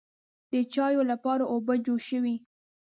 د چایو لپاره اوبه جوش شوې.